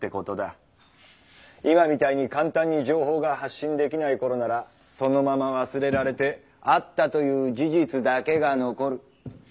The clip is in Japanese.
今みたいに簡単に情報が発信できない頃ならそのまま忘れられて「あった」という事実だけが残る。